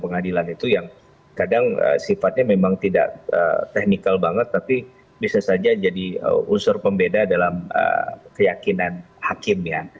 pengadilan itu yang kadang sifatnya memang tidak technical banget tapi bisa saja jadi unsur pembeda dalam keyakinan hakim ya